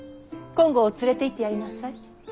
金剛を連れていってやりなさい。